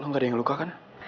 lo gak ada yang luka kan